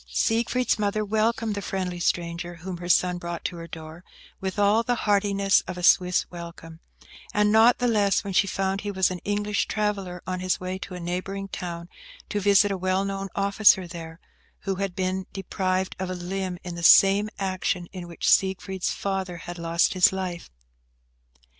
Siegfried's mother welcomed the friendly stranger whom her son brought to her door with all the heartiness of a Swiss welcome; and not the less when she found he was an English traveller, on his way to a neighbouring town to visit a well known officer there, who had been deprived of a limb in the same action in which Siegfried's father had lost his life.